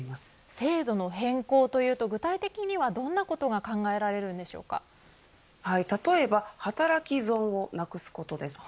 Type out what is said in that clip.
制度の変更というと具体的にはどんなことが例えば働き損をなくすことです。